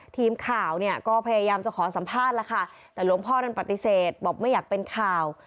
ทีมข่าวเนี่ยก็พยายามจะขอสัมภาษณ์แล้วค่ะแต่หลวงพ่อนั้นปฏิเสธบอกไม่อยากเป็นข่าว